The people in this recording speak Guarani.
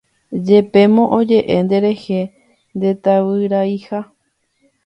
Jepémo oje'e nderehe ndetavyraiha.